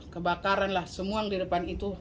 kebakaranlah semua yang di depan itu